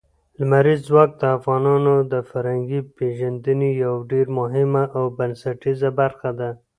لمریز ځواک د افغانانو د فرهنګي پیژندنې یوه ډېره مهمه او بنسټیزه برخه ده.